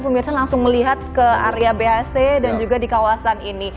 pemirsa langsung melihat ke area bhc dan juga di kawasan ini